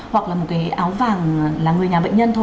hoặc là một cái áo vàng là người nhà bệnh nhân thôi